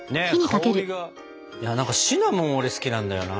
いや何かシナモン俺好きなんだよな。